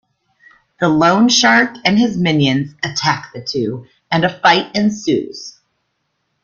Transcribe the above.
The loan shark and his minions attack the two and a fight ensues.